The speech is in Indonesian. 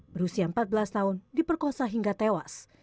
berusia empat belas tahun diperkosa hingga tewas